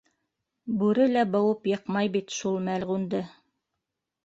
- Бүре лә быуып йыҡмай бит шул мәлғүнде!